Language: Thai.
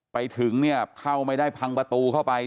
ไปถึงเนี่ยเข้าไม่ได้พังประตูเข้าไป